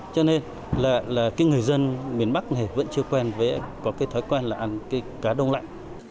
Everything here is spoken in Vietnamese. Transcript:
cho nên người dân miền bắc vẫn chưa quen với có thói quen ăn cá đông lạnh